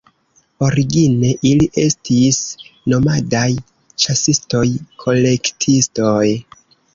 Origine, ili estis nomadaj, ĉasistoj-kolektistoj.